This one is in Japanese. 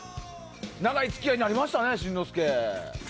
長い付き合いになりましたね新之助。